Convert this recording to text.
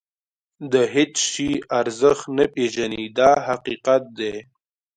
د هېڅ شي ارزښت نه پېژني دا حقیقت دی.